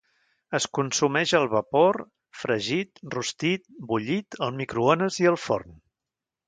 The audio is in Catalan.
Es consumeix al vapor, fregit, rostit, bullit, al microones i al forn.